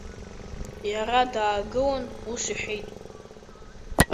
Иара даагылан ус иҳәеит…